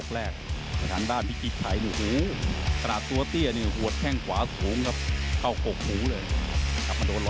หัวหน้าล่มเสียงด้านฝั่งชัด